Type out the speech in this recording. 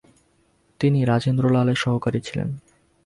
তিনি রাজেন্দ্রলালের সহকারী ছিলেন।